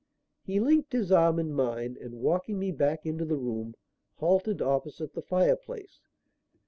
He linked his arm in mine and, walking me back into the room, halted opposite the fire place.